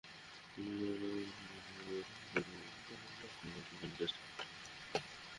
বিচারক শুনানি শেষে রুবেলের বয়স নির্ণয়ের জন্য ডাক্তারি পরীক্ষার নির্দেশ দেন।